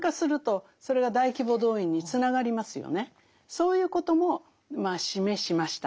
そういうこともまあ示しました。